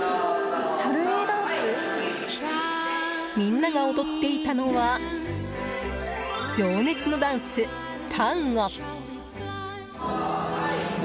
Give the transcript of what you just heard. みんなが踊っていたのは情熱のダンス、タンゴ。